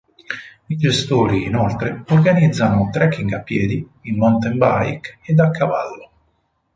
I gestori, inoltre, organizzano trekking a piedi, in mountain bike ed a cavallo.